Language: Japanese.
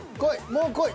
もうこい。